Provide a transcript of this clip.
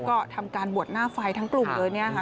ก็ทำการบวชหน้าไฟทั้งกลุ่มเลยเนี่ยค่ะ